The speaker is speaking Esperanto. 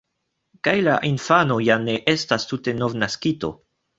Kaj la infano ja ne estas tute novnaskito.